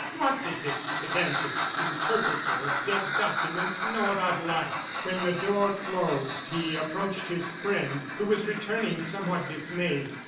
What did this pedantic interpreter of dead documents know about life? ... When the door closed, he approached his friend who was returning somewhat dismayed.